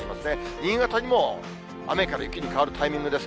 新潟にも雨から雪に変わるタイミングです。